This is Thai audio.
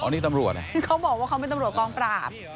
นี่ตำรวจนะที่เขาบอกว่าเขาเป็นตำรวจกองปราบ